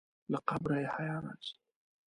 له قبره یې حیا راځي.